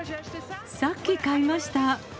さっき買いました。